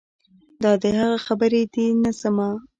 دا د هغه خبرې دي نه زما.